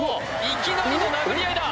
いきなりの殴り合いだ